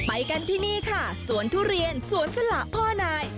ไปกันที่นี่ค่ะสวนทุเรียนสวนสละพ่อนาย